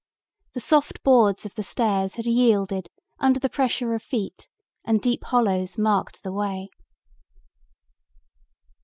The soft boards of the stairs had yielded under the pressure of feet and deep hollows marked the way.